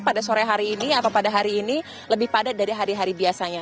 pada sore hari ini atau pada hari ini lebih padat dari hari hari biasanya